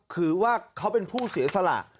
คือว่าเขาเป็นผู้เสียสละ